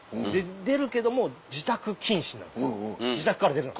出るけども自宅謹慎なんです自宅から出るな。